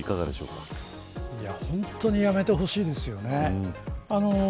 本当にやめてほしいですよね。